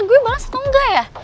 gue bales atau enggak ya